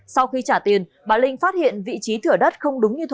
sau khi trả tiền bà linh phát hiện vị trí thửa đất không đúng như tự nhiên